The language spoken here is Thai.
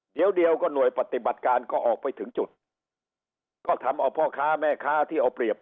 เดี๋ยวเดียวก็หน่วยปฏิบัติการก็ออกไปถึงจุดก็ทำเอาพ่อค้าแม่ค้าที่เอาเปรียบ